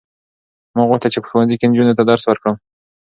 ما غوښتل چې په ښوونځي کې نجونو ته درس ورکړم.